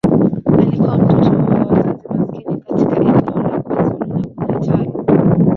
Alikuwa mtoto wa wazazi maskini katika eneo la KwaZulu-Natal.